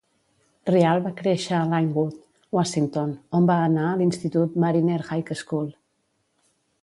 Riall va créixer a Lynnwood, Washington, on va anar a l'institut Mariner High School.